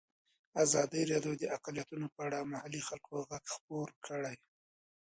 ازادي راډیو د اقلیتونه په اړه د محلي خلکو غږ خپور کړی.